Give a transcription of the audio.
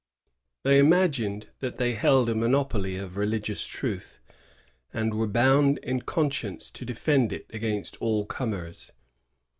They imagined that they held a monopoly of religious truth, and were bound in conscience to defend it against all comers.